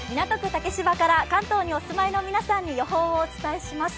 竹芝から関東にお住まいの皆さんに予報をお伝えします。